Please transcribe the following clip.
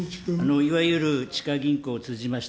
いわゆる地下銀行を通じました